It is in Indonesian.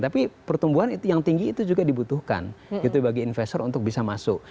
tapi pertumbuhan yang tinggi itu juga dibutuhkan gitu bagi investor untuk bisa masuk